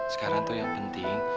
sekarang tuh yang penting